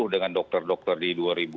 dengan dokter dokter di dua ribu dua puluh